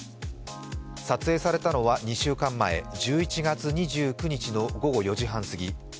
撮影されたのは２週間前、１１月２９日の午後４時半すぎ。